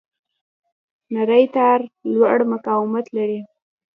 نری تار لوړ مقاومت لري.